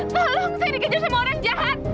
tolong saya dikejar sama orang jahat